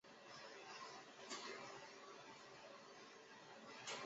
布里蒂阿莱格雷是巴西戈亚斯州的一个市镇。